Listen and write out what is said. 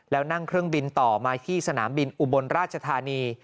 แล้วนั่งเครื่องบินต่อมาที่สนามบินอุบลราชธานี